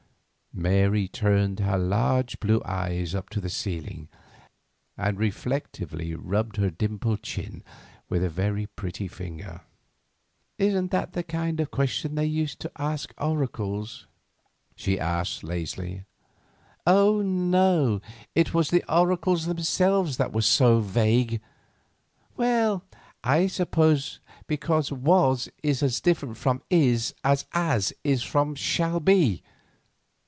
Mary turned her large blue eyes up to the ceiling, and reflectively rubbed her dimpled chin with a very pretty finger. "Isn't that the kind of question they used to ask oracles?" she asked lazily—"Oh! no, it was the oracles themselves that were so vague. Well, I suppose because 'was' is as different from 'is' as 'as' is from 'shall be.